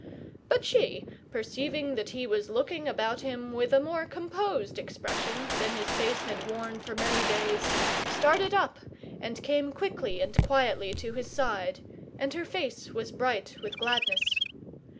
But she, perceiving that he was looking about him with a more composed expression than his face had worn for many days, started up, and came quickly and quietly to his side, and her face was bright with gladness.